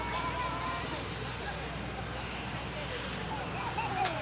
สวัสดีครับทุกคน